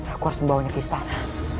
aku harus membawanya ke istana